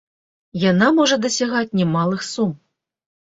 Яна можа дасягаць немалых сум.